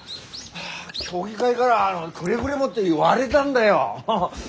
協議会がらくれぐれもって言われでだんだよハハ。